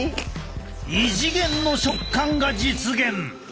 異次元の食感が実現！